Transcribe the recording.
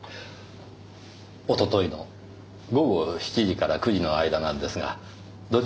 おとといの午後７時から９時の間なんですがどちらに？